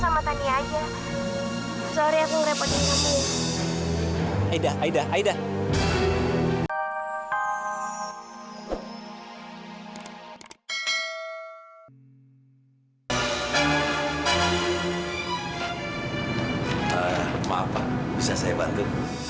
maaf pak bisa saya bantu